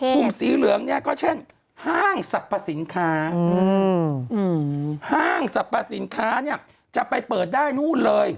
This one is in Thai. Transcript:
สีเหลืองเนี่ยก็เช่นห้างสรรพสินค้าห้างสรรพสินค้าเนี่ยจะไปเปิดได้นู่นเลย